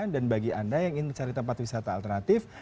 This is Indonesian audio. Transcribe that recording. dan bagi anda yang ingin mencari tempat wisata alternatif